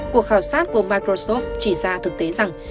cuộc khảo sát của microsoft chỉ ra thực tế rằng